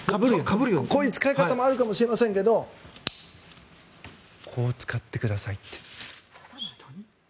こういう使い方もあるかもしれませんがこう使ってくださいって。